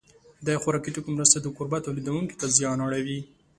د خوراکي توکو مرستې د کوربه تولیدوونکو ته زیان اړوي.